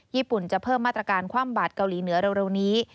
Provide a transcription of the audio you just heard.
ญี่ปุ่นจะเพิ่มมาตรการคว่ำบาดเกาหลีเหนือเร็วนี้